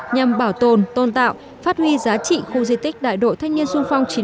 nhằm bảo tồn tôn tạo phát huy giá trị khu di tích đại đội thanh niên sung phong